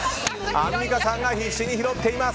アンミカさんが必死に拾っています。